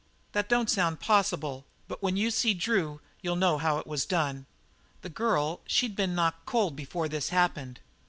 That don't sound possible, but when you see Drew you'll know how it was done. "The girl, she'd been knocked cold before this happened.